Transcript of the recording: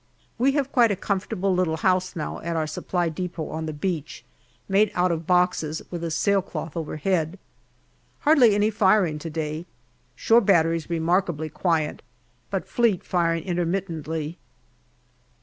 We have quite a comfortable little house now at our Supply depot on the beach, made out of boxes with a sail cloth overhead. MAY 83 Hardly any firing to day. Shore batteries remarkably quiet, but Fleet firing intermittently.